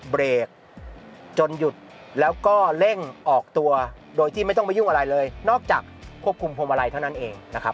เบรกจนหยุดแล้วก็เร่งออกตัวโดยที่ไม่ต้องมายุ่งอะไรเลยนอกจากควบคุมพวงมาลัยเท่านั้นเองนะครับ